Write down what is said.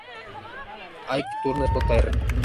Ike Turner, Jr.